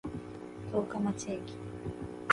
十日町駅